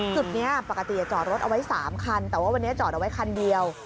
จุดนี้ปกติจอดรถเอาไว้๓คันแต่ว่าวันนี้จอดเอาไว้คันเดียว